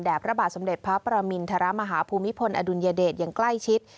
และพระบาทสมเด็จพระประมินทรมาฮภูมิพลอดุลยเดชอย่างใกล้ชิด